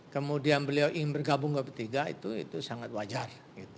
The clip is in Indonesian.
kemudian beliau ingin bergabung ke p tiga itu sangat wajar